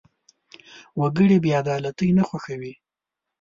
وګړي بېعدالتي نه خوښوي.